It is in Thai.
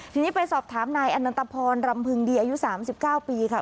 ทีนี้ไปสอบถามนายอันนตพรรำพึงดีอายุสามสิบเก้าปีค่ะ